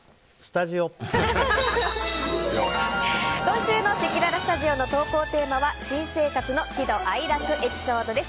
今週のせきららスタジオの投稿テーマは新生活の喜怒哀楽エピソードです。